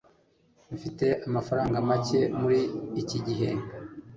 mfite amafaranga make muri iki gihe